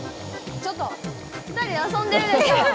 ちょっと２人で遊んでるでしょ！